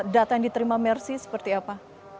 data yang diterima mercy seperti apa